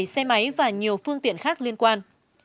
một mươi bảy xe máy và nhiều phương tiện khác liên quan